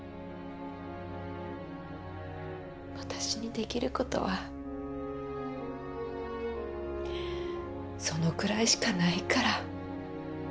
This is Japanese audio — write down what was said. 私にできる事はそのくらいしかないから。